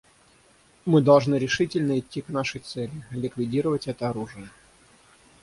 Мы должны решительно идти к нашей цели — ликвидировать это оружие.